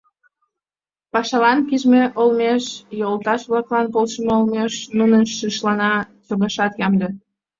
Пашалан пижме олмеш, йолташ-влаклан полшымо олмеш, нуным шишлана, чогашат ямде...